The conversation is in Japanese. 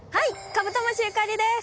カブトムシゆかりです。